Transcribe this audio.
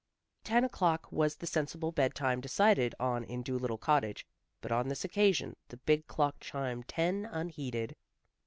Ten o'clock was the sensible bedtime decided on in Dolittle Cottage, but on this occasion the big clock chimed ten unheeded.